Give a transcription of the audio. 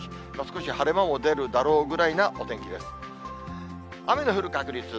少し晴れ間も出るだろうぐらいなお天気です。